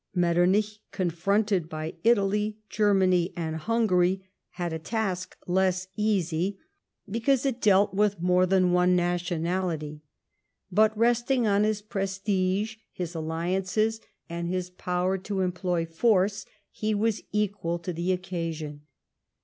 Metternich, confronted by Italy, Germany, and Hungary, had a task less easy, because it 173 LIFE OF PRINCE METTERNICE. dealt with more than one nationality. But, resting on his prestige, his alliances, and his power to employ force, he was equal to the occasion.